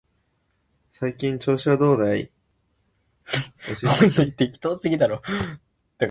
需要の盛大が粗製濫造の弊を伴わないで済むのは、